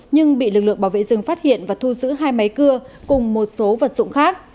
nhưng bị lực lượng bảo vệ rừng phát hiện và thu giữ hai máy cưa cùng một số vật dụng khác